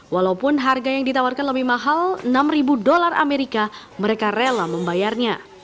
walaupun harga yang ditawarkan lebih mahal enam dolar amerika mereka rela membayarnya